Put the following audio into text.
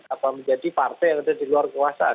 apa menjadi partai yang ada di luar kekuasaan